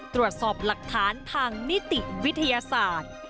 ตรวจสอบหลักฐานทางนิติวิทยาศาสตร์